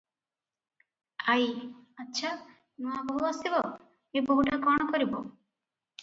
ଆଈ - ଆଚ୍ଛା, ନୁଆବୋହୂ ଆସିବ, ଏ ବୋହୂଟା କଣ କରିବ?